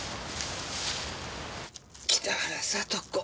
北原さと子